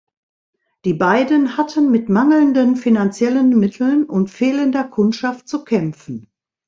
Die beiden hatten mit mangelnden finanziellen Mitteln und fehlender Kundschaft zu kämpfen.